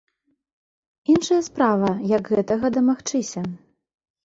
Іншая справа, як гэтага дамагчыся.